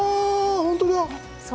本当だ！